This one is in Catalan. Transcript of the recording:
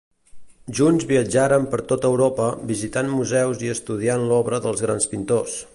Junts viatjaren per tot Europa, visitant museus i estudiant l'obra dels grans pintors.